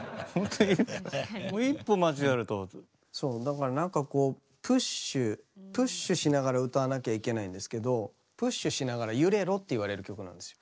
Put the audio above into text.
そうだからなんかこうプッシュプッシュしながら歌わなきゃいけないんですけどプッシュしながら揺れろって言われる曲なんですよ。